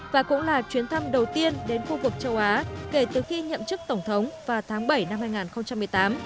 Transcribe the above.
và cũng là chuyến thăm đầu tiên đến khu vực châu á kể từ khi nhậm chức tổng thống vào tháng bảy năm hai nghìn một mươi tám